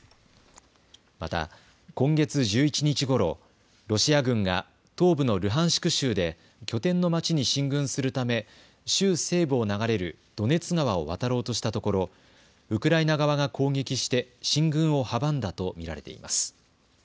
また今月１１日ごろ、ロシア軍が東部のルハンシク州で拠点の町に進軍するため、州西部を流れるドネツ川を渡ろうとしたところウクライナ側が攻撃して進軍を阻んだと見られています。